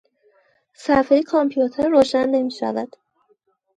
مﮩرداد